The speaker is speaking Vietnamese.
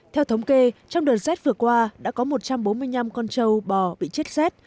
theo thống kê trong đợt rét vừa qua đã có một trăm bốn mươi năm con trâu bò bị chết rét